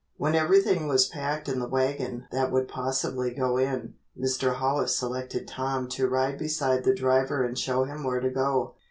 When everything was packed in the wagon that would possibly go in, Mr. Hollis selected Tom to ride beside the driver and show him where to go.